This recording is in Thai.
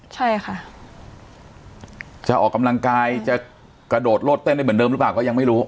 ใช่ค่ะจะออกกำลังกายจะกระโดดโลดเต้นได้เหมือนเดิมหรือเปล่าก็ยังไม่รู้